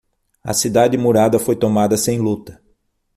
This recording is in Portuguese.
A cidade murada foi tomada sem luta.